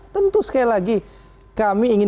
tentu sekali lagi kami ingin